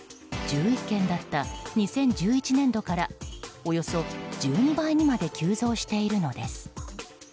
１１件だった２０１１年度からおよそ１２倍にまで急増しているのです。